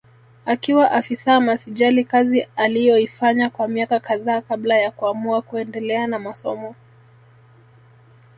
Akiwa afisa masijali kazi aliyoifanya kwa miaka kadhaa kabla ya kuamua kuendelea na masomo